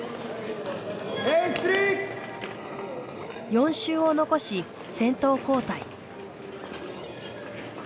４周を残し先頭交代。